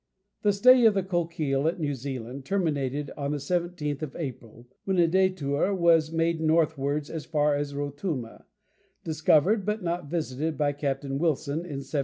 The stay of the Coquille at New Zealand terminated on the 17th of April, when a détour was made northwards as far as Rotuma, discovered, but not visited, by Captain Wilson in 1797.